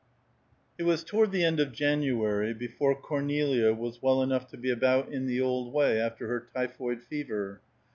It was toward the end of January before Cornelia was well enough to be about in the old way, after her typhoid fever.